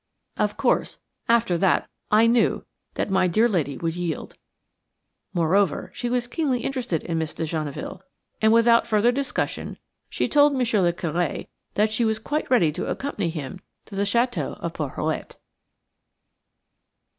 '" Of course, after that I knew that my dear lady would yield. Moreover, she was keenly interested in Miss de Genneville, and without further discussion she told Monsieur le Curé that she was quite ready to accompany him to the château of Porhoët.